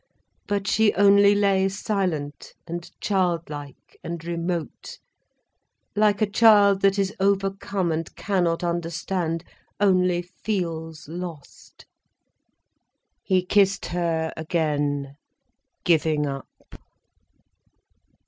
But she only lay silent and child like and remote, like a child that is overcome and cannot understand, only feels lost. He kissed her again, giving up.